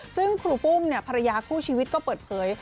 ซึ่งครูปุ้มภรรยาคู่ชีวิตก็เปิดเผย